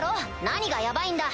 何がヤバいんだ？